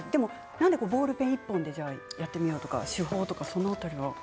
なんでボールペン１本でやってみようとか手法とかその辺りは？